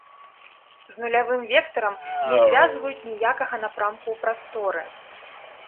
З нулявым вектарам не звязваюць ніякага напрамку ў прасторы.